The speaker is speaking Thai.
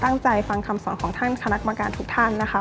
ตั้งใจฟังคำสอนของท่านคณะกรรมการทุกท่านนะคะ